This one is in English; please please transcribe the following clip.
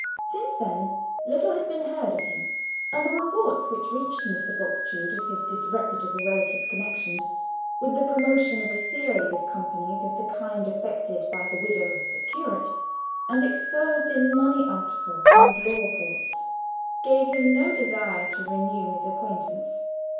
Since then little had been heard of him, and the reports which reached Mr. Bultitude of his disreputable relative's connection with the promotion of a series of companies of the kind affected by the widow and curate, and exposed in money articles and law courts, gave him no desire to renew his acquaintance.